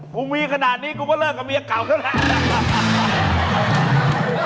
กูมีขนาดนี้กูก็เลิกกับเมียเก่าแล้วแหละ